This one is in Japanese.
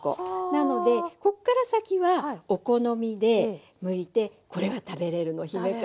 なのでこっから先はお好みでむいてこれが食べれるの姫皮。